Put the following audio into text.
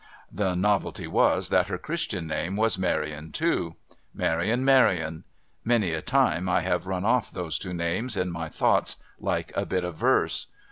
The novelty was, that her Christian name was Marion too. Marion Maryon. Many a time I have run off those two names in my thoughts, like a bit of verse.